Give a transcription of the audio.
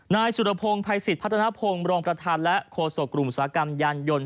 นายสุรพงศ์ภัยสิทธิพัฒนภงรองประธานและโฆษกกลุ่มอุตสาหกรรมยานยนต์